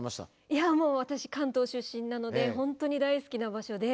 いやもう私は関東出身なので本当に大好きな場所で。